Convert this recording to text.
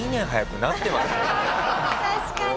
確かに。